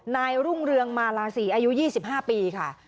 รุ่งเรืองมาลาศีอายุ๒๕ปีค่ะ